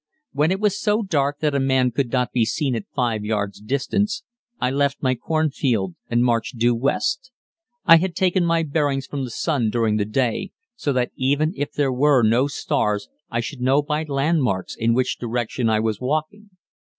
When it was so dark that a man could not be seen at 5 yards' distance I left my cornfield and marched due west. I had taken my bearings from the sun during the day, so that even if there were no stars I should know by landmarks in which direction I was walking.